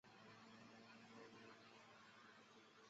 飞鸟寺有很多个名称。